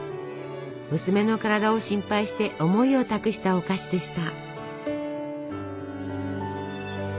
娘の体を心配して思いを託したお菓子でした。